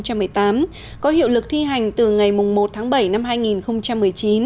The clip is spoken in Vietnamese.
có hiệu lực thi hành từ ngày một tháng bảy năm hai nghìn một mươi chín